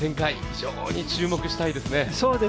非常に注目したいですね。